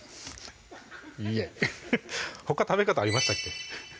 イエイほか食べ方ありましたっけ？